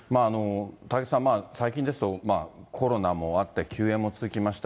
高木さん、最近ですと、コロナもあって休演も続きました。